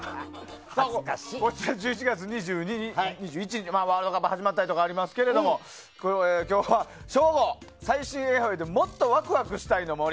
こちら、１１月２０日にワールドカップ始まったりとかもありましたけど省吾最新ＡＩでもっとワクワクしたいの森。